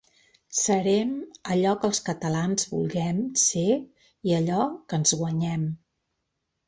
Serem allò que els catalans vulguem ser i allò que ens guanyem.